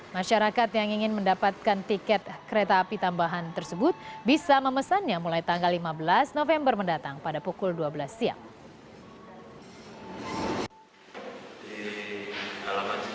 masyarakat yang ingin mendapatkan tiket kereta api tambahan tersebut bisa memesannya mulai tanggal lima belas november mendatang pada pukul dua belas siang